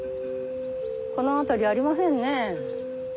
この辺りありませんね。